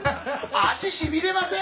足しびれません？